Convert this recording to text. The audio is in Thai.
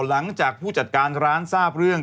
หลังจากผู้จัดการร้านทราบเรื่อง